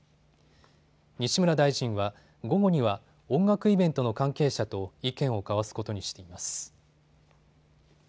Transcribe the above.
西村大臣は午後には音楽イベントの関係者と意見を交わすことにしています。